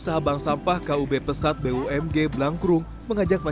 setahun lama memiliki pelajaran pengumuman dan pendapatan